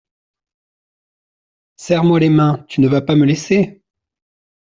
Serre-moi les mains, tu ne vas pas me laisser !